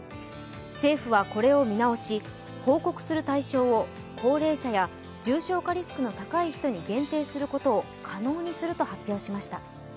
政府はこれを見直し、報告する対象を高齢者や重症化リスクの高い人に限定することを可能にすると発表しました。